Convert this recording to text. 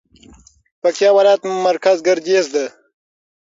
پکتيا ولايت مرکز ګردېز ده